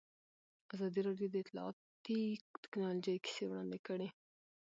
ازادي راډیو د اطلاعاتی تکنالوژي کیسې وړاندې کړي.